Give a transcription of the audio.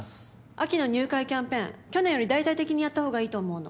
・秋の入会キャンペーン去年より大々的にやったほうがいいと思うの。